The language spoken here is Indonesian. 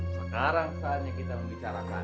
sekarang saatnya kita membicarakan